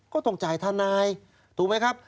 ก็ต้องจ่ายทนายถูกไหมครับ